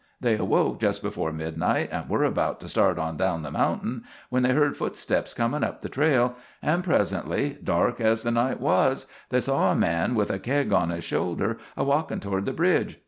They awoke just before mid night, and were about to start on down the mountain when they heard footsteps coming up the trail, and presently, dark as the night was, they saw a man with a keg on his shoulder a walkin' toward the bridge.